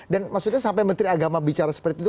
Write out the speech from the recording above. dan maksudnya sampai menteri agama bicara seperti itu